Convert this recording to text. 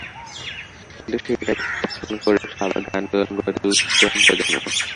কিন্তু সেই রায় প্রত্যাখ্যান করে শাহবাগে আন্দোলন গড়ে তোলে তরুণ প্রজন্ম।